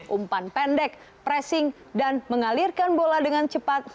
umpan pendek pressing dan mengalirkan bola dengan cepat